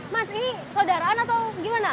mas ini saudaraan atau gimana